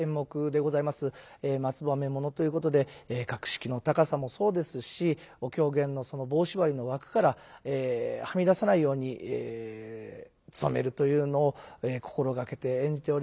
松羽目物ということで格式の高さもそうですしお狂言の「棒しばり」の枠からはみ出さないようにつとめるというのを心掛けて演じております。